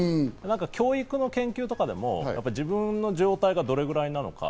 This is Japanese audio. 教育の研究とかでも自分の状態がどれくらいなのか。